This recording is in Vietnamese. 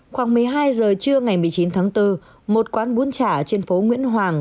khoảng một mươi hai giờ trưa ngày một mươi chín tháng bốn một quán bún chả trên phố nguyễn hoàng